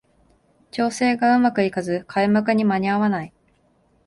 調整がうまくいかず開幕に間に合わない